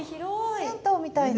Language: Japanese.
銭湯みたいな。